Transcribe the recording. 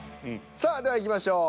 さあではいきましょう。